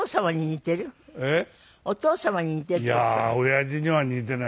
親父には似てない。